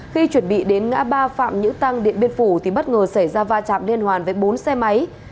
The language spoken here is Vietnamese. khi chuẩn bị đến ngã ba phạm nữ tăng điện biên phủ thì bất ngờ xảy ra va chạm liên hoàn với bốn xe máy